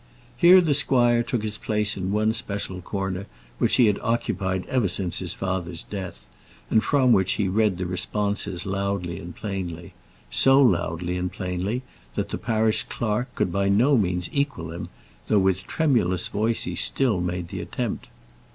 Here the squire took his place in one special corner which he had occupied ever since his father's death, and from which he read the responses loudly and plainly, so loudly and plainly, that the parish clerk could by no means equal him, though with emulous voice he still made the attempt.